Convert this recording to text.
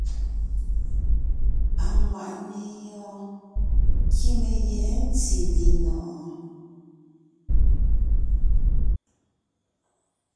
Aŋwàʼne yɔɔn kíme yɛ̌ ntí linɔ̀ɔn?